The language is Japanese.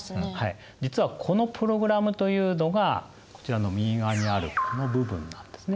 実はこのプログラムというのがこちらの右側にあるこの部分なんですね。